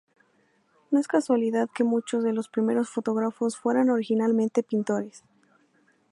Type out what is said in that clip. No es casualidad que muchos de los primeros fotógrafos fueran originalmente pintores.